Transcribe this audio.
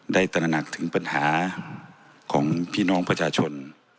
ตระหนักถึงปัญหาของพี่น้องประชาชน